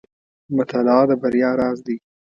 • مطالعه د بریا راز دی.